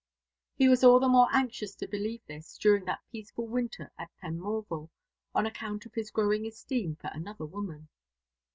He was all the more anxious to believe this, during that peaceful winter at Penmorval, on account of his growing esteem for another woman.